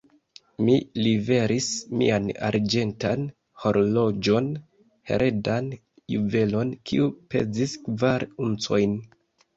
Mi liveris mian arĝentan horloĝon, heredan juvelon, kiu pezis kvar uncojn.